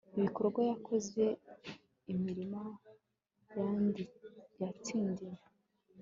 ibikorwa yakoze, imirima yatsindiye